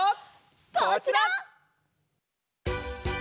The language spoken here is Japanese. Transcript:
こちら！